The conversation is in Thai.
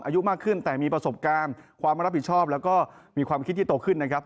อายุมากขึ้นแต่มีประสบการณ์ความรับผิดชอบแล้วก็มีความคิดที่โตขึ้นนะครับ